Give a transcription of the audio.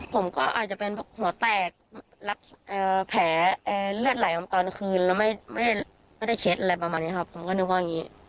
ผมก็อาจจะเป็นหัวแตกรับแผลเลือดไหลมาตอนคืนแล้วไม่ได้เช็ดอะไรประมาณนี้ครับผมก็นึกว่าอย่างนี้